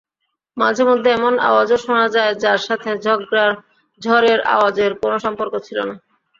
মাঝে মধ্যে এমন আওয়াজও শোনা যায় যার সাথে ঝড়ের আওয়াজের কোন সম্পর্ক ছিল না।